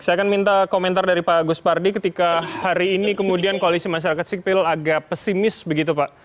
saya akan minta komentar dari pak gus pardi ketika hari ini kemudian koalisi masyarakat sipil agak pesimis begitu pak